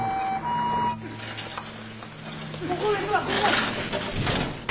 ここですわここ！